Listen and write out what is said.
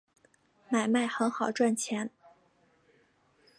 买卖很好赚钱